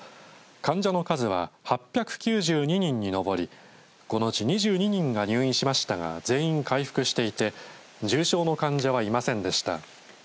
患者の数は８９２人に上りこのうち２２人が入院しましたが全員回復していて重症の患者はいませんでした。